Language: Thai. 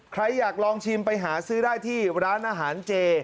ใครอยากลองชิมไปหาซื้อได้ที่ร้านอาหารเจ